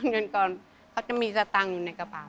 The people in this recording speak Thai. เงินก่อนเขาจะมีสตางค์อยู่ในกระเป๋า